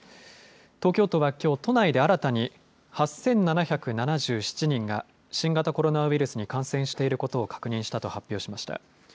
東京都はきょう、都内で新たに８７７７人が新型コロナウイルスに感染していることを確認したと発表しました。